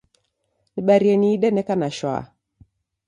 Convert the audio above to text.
Nibarie niide neka na shwaa